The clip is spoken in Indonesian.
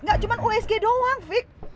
gak cuma usg doang fik